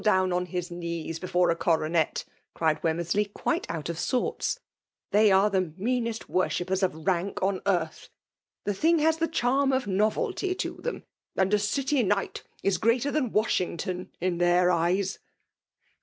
down on his knees befoie a ooraoet !*' cried Wemmersl^y ^piile out of 4Mrt8. ''They «ne the meanest worshipfers of rank on eaorth. The thing has the charm of novehj to thesai ; and a dty knight is greater than Wasfauagton in their eyes